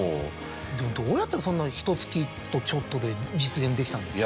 でもどうやったらそんなひと月とちょっとで実現できたんですか？